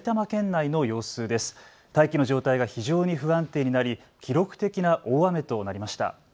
大気の状態が非常に不安定になり記録的な大雨となりました。